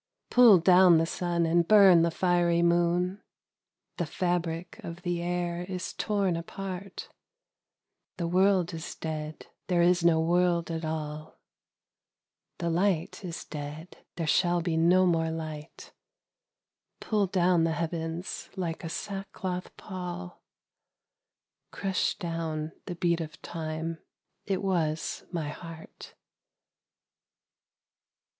1'ull down the sun and burn the fiery moon ; The fabric of the air is torn apart : The world is dead. There is no world at all. The light is dead. There shall be no more light. Pull down the heavens like a sackcloth pall — Crush down the beat of Time. It was my heart.